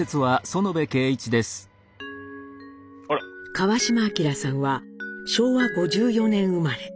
川島明さんは昭和５４年生まれ。